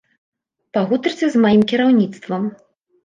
Пагутарце з маім кіраўніцтвам.